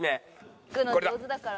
引くの上手だから。